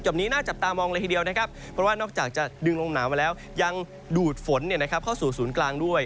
นี้น่าจับตามองเลยทีเดียวนะครับเพราะว่านอกจากจะดึงลมหนาวมาแล้วยังดูดฝนเข้าสู่ศูนย์กลางด้วย